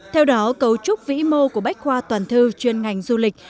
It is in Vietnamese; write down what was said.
theo đó cấu trúc vĩ mô của bách khoa toàn thư chuyên ngành du lịch